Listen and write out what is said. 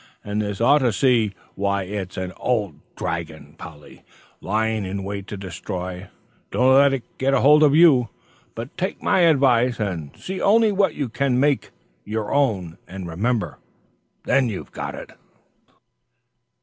"And this 'ought to see,' why, it's an old dragon, Polly, lying in wait to destroy. Don't you let it get hold of you, but take my advice and see only what you can make your own and remember. Then you've got it."